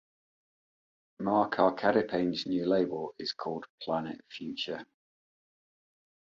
Marc Arcadipane's new label is called "Planet Phuture".